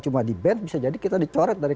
cuma di ban bisa jadi kita dicoret dari